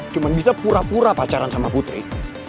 cuma bisa pura pura pacaran sama putri